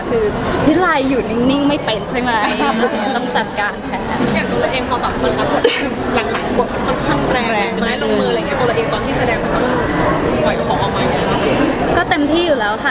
คือพี่อะไรอยู่นิ่งไม่เป็นใช่มั้ย